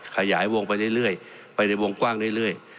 ขยายวงไปเรื่อยไปในวงกว้างเรื่อย